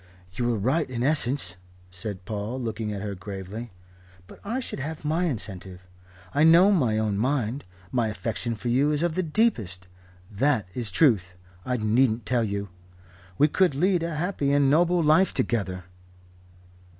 "You were right in essence," said Paul, looking at her gravely. "But I should have my incentive. I know my own mind. My affection for you is of the deepest. That is Truth I needn't tell you. We could lead a happy and noble life together."